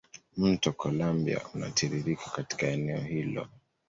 Mto Columbia unatiririka katika eneo hilo.